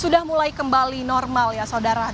sudah mulai kembali normal ya saudara